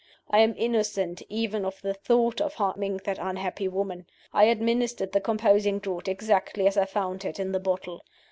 I am innocent even of the thought of harming that unhappy woman. I administered the composing draught exactly as I found it in the bottle.